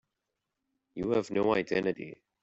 You have no identity.